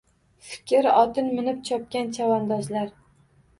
Fikr otin minib chopgan chavandozlar